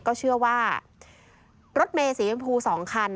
ก็เชื่อว่ารถเมสีชมพู๒คัน